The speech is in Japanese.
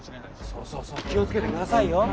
そうそうそう気を付けてくださいよ。